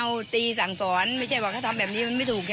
แม้ว่ามีกลางมามีเรื่องกัน